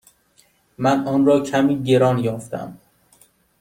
من آن را کمی گران یافتم.